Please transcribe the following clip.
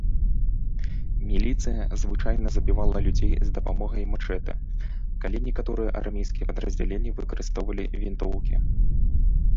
Міліцыя звычайна забівала людзей з дапамогай мачэтэ, калі некаторыя армейскія падраздзяленні выкарыстоўвалі вінтоўкі.